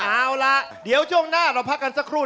เอาล่ะเดี๋ยวช่วงหน้าเราพักกันสักครู่